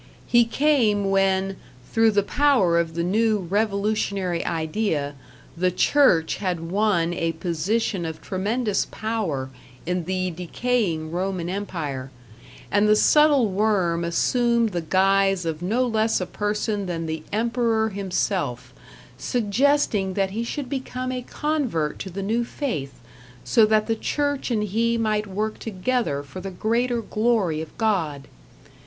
He came when, through the power of the new revolutionary idea, the Church had won a position of tremendous power in the decaying Roman Empire; and the subtle worm assumed the guise or no less a person than the Emperor himself, suggesting that he should become a convert to the new faith, so that the Church and he might work together for the greater glory of God.